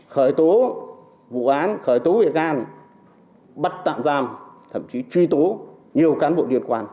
khởi tố vụ án khởi tố bị gan bắt tạm giam thậm chí truy tố nhiều cán bộ liên quan